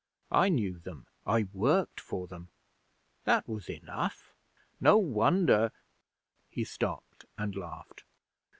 I knew them. I worked for them: that was enough. No wonder ' He stopped and laughed.